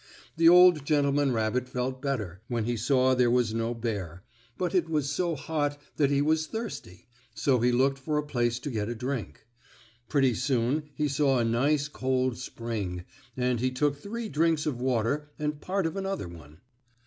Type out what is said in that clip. The old gentleman rabbit felt better, when he saw there was no bear, but it was so hot that he was thirsty, so he looked for a place to get a drink. Pretty soon he saw a nice, cold spring, and he took three drinks of water and part of another one.